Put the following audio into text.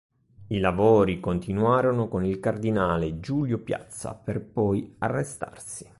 I lavori continuarono con il cardinale Giulio Piazza, per poi arrestarsi.